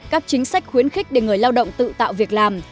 các chính sách khuyến khích để người lao động tự tạo việc làm